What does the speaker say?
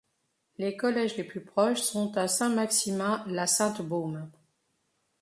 Les collèges les plus proches sont à Saint-Maximin-la-Sainte-Baume.